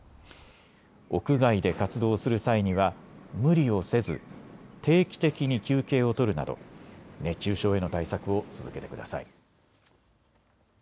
屋外で活動する際には無理をせず定期的に休憩を取るなど熱中症への対策を続けてください。